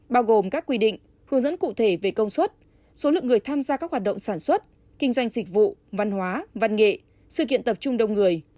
bao gồm các quy định hướng dẫn cụ thể về công suất số lượng người tham gia các hoạt động sản xuất kinh doanh dịch vụ văn hóa văn nghệ sự kiện tập trung đông người